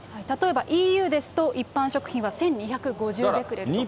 例えば、ＥＵですと、一般食品は１２５０ベクレルと。